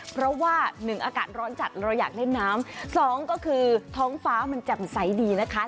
เพราะว่าหนึ่งอากาศร้อนจัดเราอยากเล่นน้ำสองก็คือท้องฟ้ามันแจ่มใสดีนะคะ